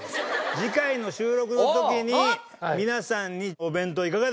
次回の収録の時に皆さんにお弁当いかがでしょうか？